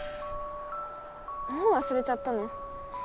もうわすれちゃったの？